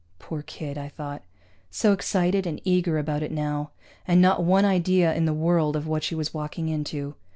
Poor kid, I thought. So excited and eager about it now. And not one idea in the world of what she was walking into.